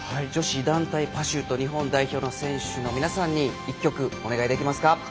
女子団体パシュート日本代表の選手の皆さんに１曲お願いできますか。